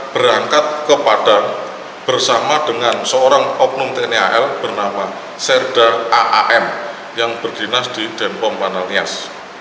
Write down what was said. berangkat ke padang bersama dengan seorang oknum tni al bernama serda aam yang berdinas di denpom panel nias